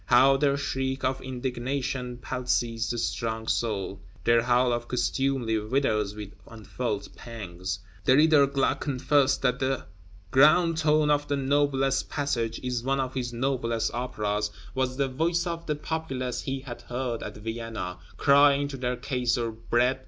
How their shriek of indignation palsies the strong soul; their howl of contumely withers with unfelt pangs? The Ritter Gluck confessed that the ground tone of the noblest passage in one of his noblest Operas was the voice of the populace he had heard at Vienna, crying to their Kaiser, Bread!